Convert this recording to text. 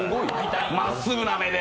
まっすぐな目で！！